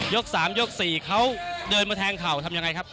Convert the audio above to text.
๓ยก๔เขาเดินมาแทงเข่าทำยังไงครับ